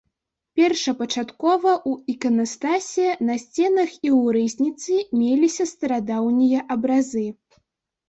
Першапачаткова ў іканастасе, на сценах і ў рызніцы меліся старадаўнія абразы.